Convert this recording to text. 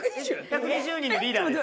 １２０人のリーダーです。